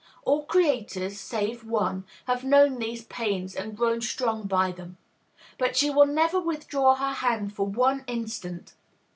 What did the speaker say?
All creators, save One, have known these pains and grown strong by them. But she will never withdraw her hand for one instant.